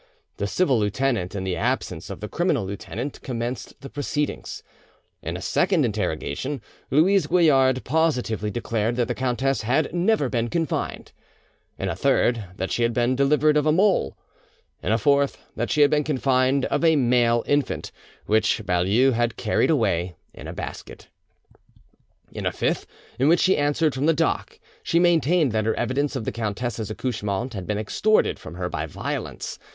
The civil lieutenant, in the absence of the criminal lieutenant, commenced the proceedings. In a second interrogation, Louise Goillard positively declared that the countess had never been confined; In a third, that she had been delivered of a mole; In a fourth, that she had been confined of a male infant, which Baulieu had carried away in a basket; And in a fifth, in which she answered from the dock, she maintained that her evidence of the countess's accouchement had been extorted from her by violence.